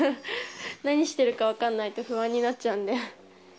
何してるか分かんないと不安になっちゃうんで。